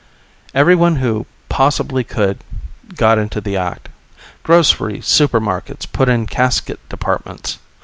Everyone who possibly could got into the act. Grocery supermarkets put in casket departments.